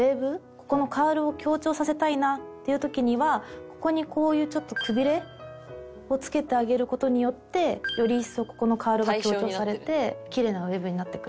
ここのカールを強調させたいなっていう時にはここにこういうちょっとくびれをつけてあげる事によってより一層ここのカールが強調されてキレイなウェーブになってくる。